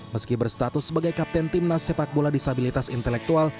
meski berstatus sebagai kapten timnas sepak bola disabilitas intelektual